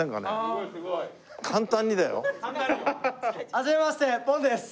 はじめましてポンです。